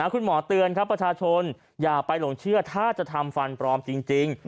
คุณหมอเตือนครับประชาชนอย่าไปหลงเชื่อถ้าจะทำฟันปลอมจริง